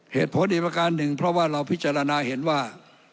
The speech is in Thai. เหตุผลอีกประการหนึ่งเพราะว่าเราพิจารณาเห็นว่า